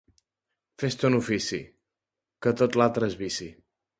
Fes ton ofici, que tot l'altre és vici.